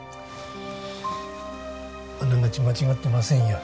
あながち間違ってませんよ